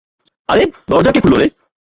আরে, দরজা কে খুললো রে?